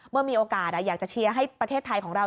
เมื่อมีโอกาสอยากจะเชียร์ให้ประเทศไทยของเรา